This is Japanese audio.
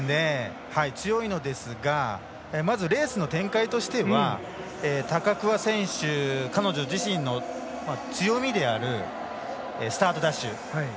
強いのですがまずレースの展開としては高桑選手、彼女自身の強みであるスタートダッシュ。